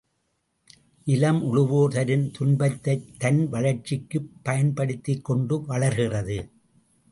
நிலம், உழுவோர் தரும் துன்பத்தைத் தன் வளர்ச்சிக்குப் பயன்படுத்திக் கொண்டு வளர்கிறது.